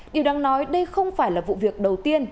điều đáng nói đây không phải là vụ việc đầu tiên